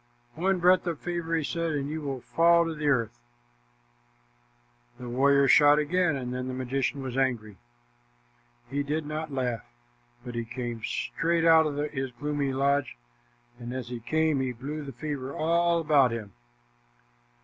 "One breath of fever," he said, "and you will fall to the earth." The warrior shot again, and then the magician was angry. He did not laugh, but he came straight out of his gloomy lodge, and as he came, he blew the fever all about him.